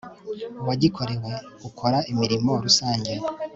uwagikorewe ukora imirimo rusange